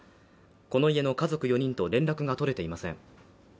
この家の家族４人と連絡が取れていません。